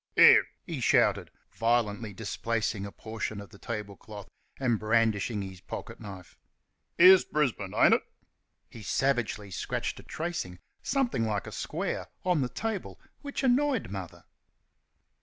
"Here!" he shouted, violently displacing a portion of the tablecloth and brandishing his pocket knife "here's Brisbane, ain't it?" (He savagely scratched a tracing, something like a square, on the table, which annoyed Mother.)